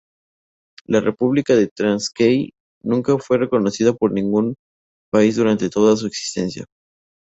La República de Transkei nunca fue reconocida por ningún país durante toda su existencia.